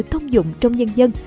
thông dụng trong nhân dân